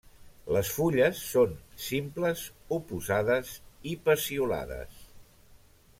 Les fulles són simples, oposades i peciolades.